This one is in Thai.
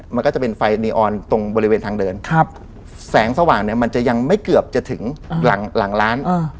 มันก็จะเป็นไฟนีออนตรงบริเวณทางเดินครับแสงสว่างเนี่ยมันจะยังไม่เกือบจะถึงหลังหลังร้าน